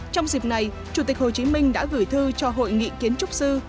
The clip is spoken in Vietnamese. trong dịp này chủ tịch hồ chí minh đã gửi thư cho hội nghị kiến trúc sư